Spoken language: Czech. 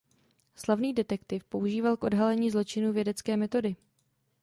Slavný detektiv používal k odhalení zločinů vědecké metody.